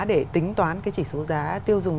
để tính toán cái chỉ số giá tiêu dùng